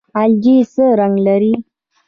الجی څه رنګ لري؟